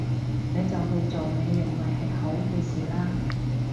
你就去做你認為係好嘅事啦